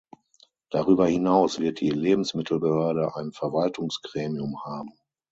Darüber hinaus wird die Lebensmittelbehörde ein Verwaltungsgremium haben.